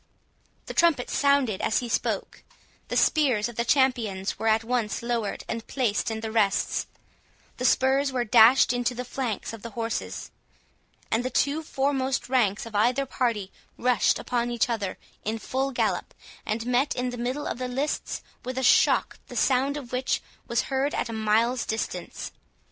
The trumpets sounded as he spoke—the spears of the champions were at once lowered and placed in the rests—the spurs were dashed into the flanks of the horses, and the two foremost ranks of either party rushed upon each other in full gallop, and met in the middle of the lists with a shock, the sound of which was heard at a mile's distance.